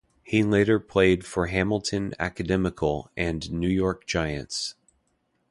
He later played for Hamilton Academical and New York Giants.